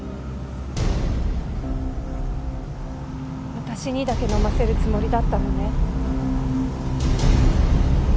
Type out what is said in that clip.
私にだけ飲ませるつもりだったのね？